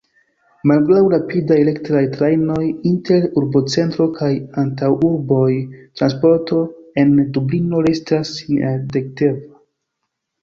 Malgraŭ rapidaj elektraj trajnoj inter urbocentro kaj antaŭurboj, transporto en Dublino restas neadekvata.